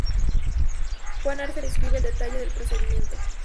Juan Arfe describe el detalle del procedimiento.